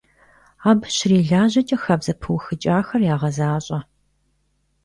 Абы щрилажьэкӀэ, хабзэ пыухыкӀахэр ягъэзащӀэ.